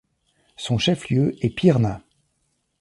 Son chef lieu est Pirna.